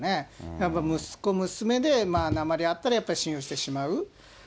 やっぱり息子、娘でなまりがあったらやっぱり信用してしまう。